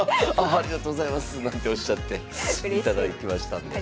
ありがとうございますなんておっしゃっていただきましたので。